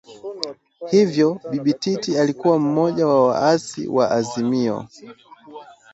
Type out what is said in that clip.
Hivyo Bibi Titi alikuwa mmoja wa waasisi wa Azimio